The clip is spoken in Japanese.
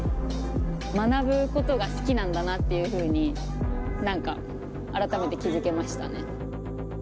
学ぶことが好きなんだなっていうふうに何か改めて気付けましたね。